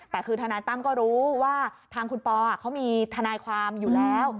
แต่คือทนายตั้มก็รู้ว่าทางคุณปอเขามีทนายความอยู่แล้ว